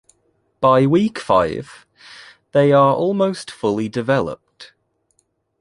By week five, they are almost fully developed.